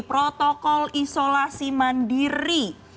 protokol isolasi mandiri